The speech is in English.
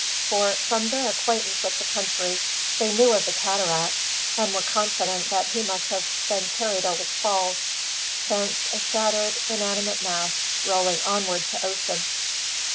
For, from their acquaintance with the country, they knew of the cataract; and were confident that he must have been carried over the falls; thence a shattered, inanimate mass rolling onward to ocean.